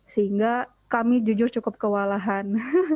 sehingga kami jujur cukup kewalahan